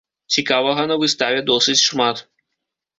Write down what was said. Цікавага на выставе досыць шмат.